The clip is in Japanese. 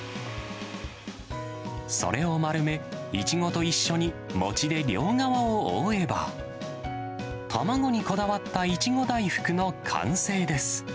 それを丸め、イチゴと一緒に餅で両側を覆えば、卵にこだわったイチゴ大福の完成です。